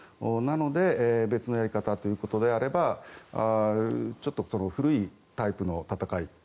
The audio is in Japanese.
なので別のやり方ということであればちょっと古いタイプの戦い。